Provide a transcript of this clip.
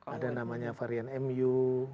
ada namanya varian mu